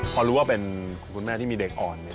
พอรู้ว่าเป็นคุณแม่ที่มีเด็กอ่อน